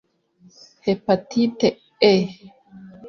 Hepatite E